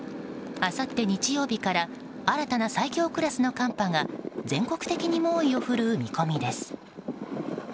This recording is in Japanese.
あさって日曜日から新たな最強クラスの寒波が全国的に猛威を振るう見込みです。